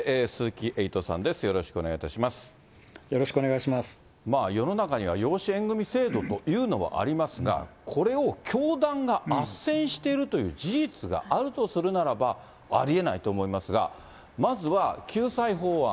まあ、世の中には養子縁組制度というのはありますが、これを教団があっせんしているという事実があるとするならば、ありえないと思いますが、まずは救済法案。